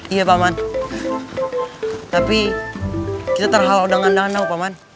iya paman tapi kita terhalau dengan danau paman